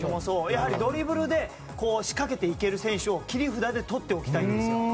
やはりドリブルで仕掛けられる選手を切り札でとっておきたいんです。